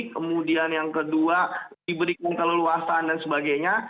kemudian yang kedua diberikan keleluasaan dan sebagainya